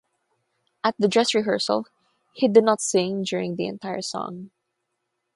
At the dress rehearsal, he did not sing during the entire song.